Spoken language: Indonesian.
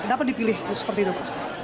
kenapa dipilih seperti itu pak